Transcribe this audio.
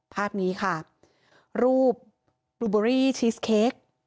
ภาพนี้ค่ะรูปบลูเบอรี่ชีสเค้ก